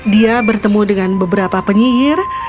dia bertemu dengan beberapa penyihir